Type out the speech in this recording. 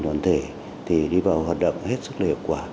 tổ chức đoàn thể đi vào hoạt động hết sức hiệu quả